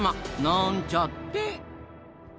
なんちゃって！